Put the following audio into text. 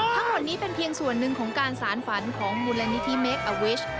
ทั้งหมดนี้เป็นเพียงส่วนหนึ่งของการสารฝันของมูลนิธิเมคอวิช